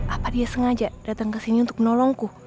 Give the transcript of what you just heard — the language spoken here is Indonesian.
apa dia sengaja datang kesini untuk menolongku